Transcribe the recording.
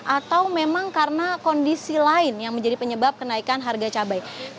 atau memang karena kondisi lain yang menjadi penyebab kenaikan harga cabai